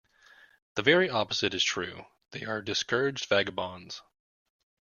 The very opposite is true; they are discouraged vagabonds.